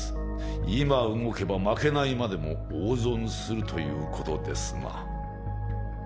今動けば負けないまでも大損するということですな。